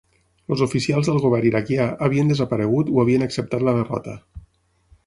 Els oficials del govern iraquià havien desaparegut o havien acceptat la derrota.